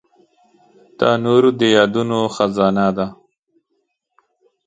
تنور د یادونو خزانه ده